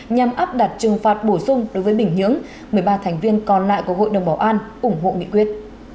nhằm áp đặt trừng phạt bổ sung đối với bình nhưỡng một mươi ba thành viên còn lại của hội đồng bảo an ủng hộ nghị quyết